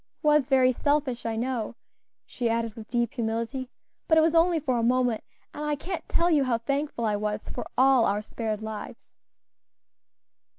It was very selfish, I know," she added with deep humility; "but it was only for a moment, and I can't tell you how thankful I was for all our spared lives."